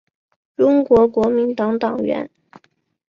中国国民党党员。